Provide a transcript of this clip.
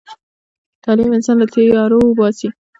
تعلیم انسان له تیارو وباسي.